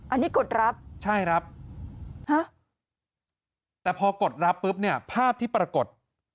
อันนี้กดรับใช่ครับฮะแต่พอกดรับปุ๊บเนี่ยภาพที่ปรากฏ